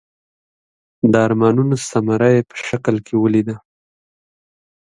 د ارمانونو ثمره یې په شکل کې ولیده.